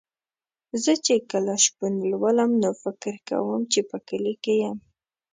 زه چې کله شپون لولم نو فکر کوم چې په کلي کې یم.